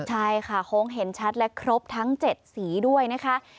ใช่ค่ะโค้งเห็นชัดและครบทั้ง๗สีด้วยนะคะ